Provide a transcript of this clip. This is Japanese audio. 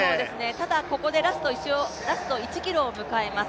ただ、ここでラスト１ｋｍを迎えます。